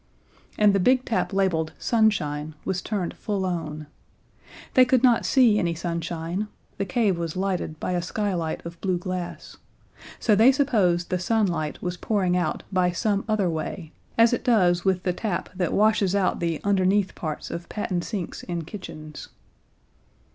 And the big tap labeled "Sunshine" was turned full on. They could not see any sunshine the cave was lighted by a skylight of blue glass so they supposed the sunlight was pouring out by some other way, as it does with the tap that washes out the underneath parts of patent sinks in kitchens.